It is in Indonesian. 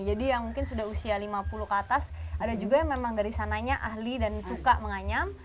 jadi yang mungkin sudah usia lima puluh ke atas ada juga yang memang dari sananya ahli dan suka menganyam